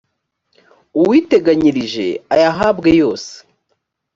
uwiteganyirije ayahabwe yose